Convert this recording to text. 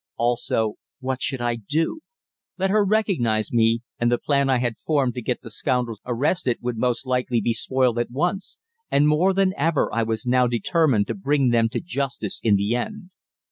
Also, what should I do? Let her recognize me, and the plan I had formed to get the scoundrels arrested would most likely be spoiled at once and more than ever I was now determined to bring them to justice in the end.